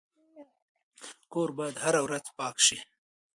کور باید هره ورځ پاک شي.